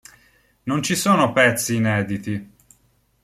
Non ci sono pezzi inediti.